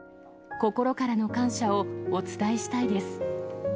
心からの感謝をお伝えしたいです。